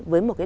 với một cái